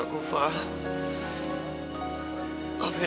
aku bisa ngambil semuanya dari dia